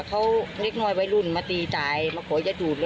เขาเล็กน้อยไว้รุ่นมาตีตายมาโขยดูดแล้วตีชาย